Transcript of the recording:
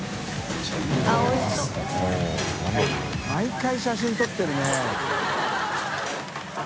莢写真撮ってるね。